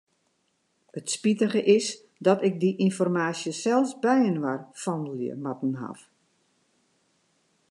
It spitige is dat ik dy ynformaasje sels byinoar fandelje moatten haw.